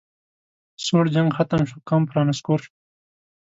سوړ جنګ ختم شو کمپ رانسکور شو